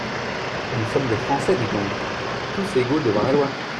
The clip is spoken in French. Nous sommes des Français, dis donc, tous égaux devant la loi.